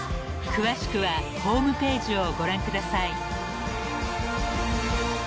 ［詳しくはホームページをご覧ください］